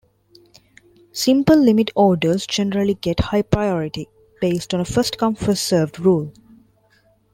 Simple limit orders generally get high priority, based on a first-come-first-served rule.